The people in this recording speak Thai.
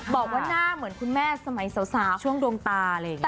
บอกว่าหน้าเหมือนคุณแม่สมัยสาวช่วงดวงตาอะไรอย่างนี้